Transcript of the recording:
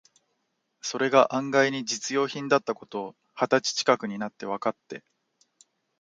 それが案外に実用品だった事を、二十歳ちかくになってわかって、